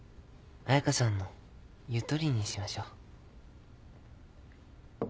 彩佳さんの言うとおりにしましょう。